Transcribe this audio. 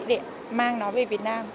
để mang nó về việt nam